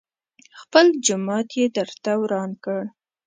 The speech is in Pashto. خپل جومات يې درته وران کړ.